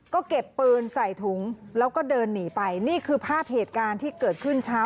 ก็เก็บปืนใส่ถุงแล้วก็เดินหนีไปนี่คือภาพเหตุการณ์ที่เกิดขึ้นเช้า